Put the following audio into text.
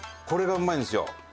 これがうまいんですよ。